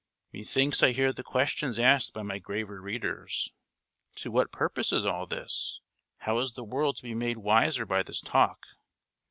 Methinks I hear the questions asked by my graver readers, "To what purpose is all this? how is the world to be made wiser by this talk?"